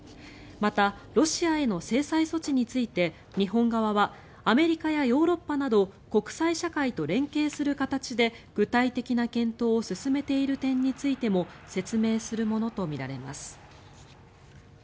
また、ロシアへの制裁措置について日本側はアメリカやヨーロッパなど国際社会と連携する形で具体的な検討を進めている点についても説明するものとみられます。